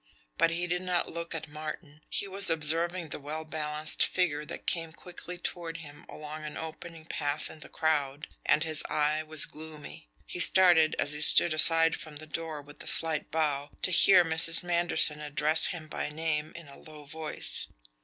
But he did not look at Martin. He was observing the well balanced figure that came quickly toward him along an opening path in the crowd, and his eye was gloomy. He started, as he stood aside from the door with a slight bow, to hear Mrs. Manderson address him by name in a low voice.